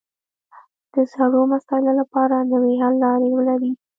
د زړو مسایلو لپاره نوې حل لارې ولري